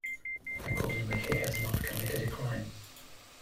Accordingly, he has not committed a crime.